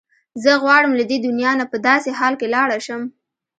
زه غواړم له دې دنیا نه په داسې حال کې لاړه شم.